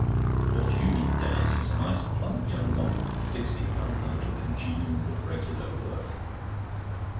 "What you need, Denis, is a nice plump young wife, a fixed income, and a little congenial but regular work."